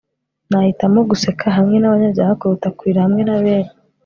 nahitamo guseka hamwe nabanyabyaha kuruta kurira hamwe nabera